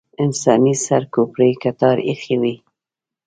انساني سر کوپړۍ کتار ایښې وې.